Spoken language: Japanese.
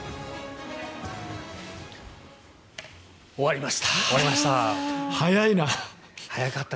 終わりました。